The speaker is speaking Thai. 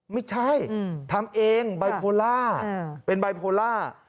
ไม่ใช่ทำเองไบโพล่าเป็นไบโพล่า